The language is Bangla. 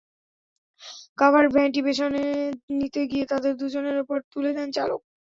কাভার্ড ভ্যানটি পেছনে নিতে গিয়ে তাঁদের দুজনের ওপর তুলে দেন চালক।